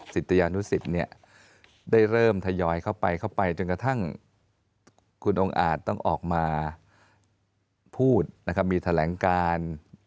ศิษยานุสิตได้เริ่มทยอยเข้าไปเข้าไปจนกระทั่งคุณองค์อาจต้องออกมาพูดนะครับมีแถลงการ